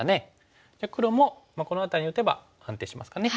黒もこの辺りに打てば安定しますかね。